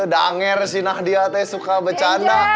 danger sih nak dia teh suka bercanda